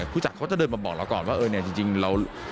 ผู้จัดเขาจะเดินมาบอกเราก่อนว่าเออเนี่ยจริงเรา